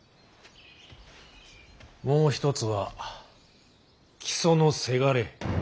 もう一つは木曽のせがれ。